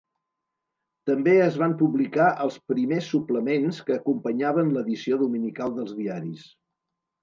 També es van publicar els primers suplements que acompanyaven l'edició dominical dels diaris.